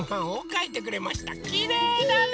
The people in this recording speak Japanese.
きれいだね！